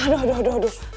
aduh aduh aduh